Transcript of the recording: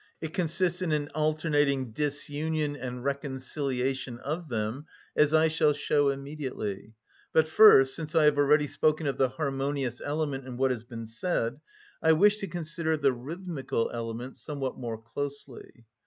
It consists in an alternating disunion and reconciliation of them, as I shall show immediately; but first, since I have already spoken of the harmonious element in what has been said, I wish to consider the rhythmical element somewhat more closely.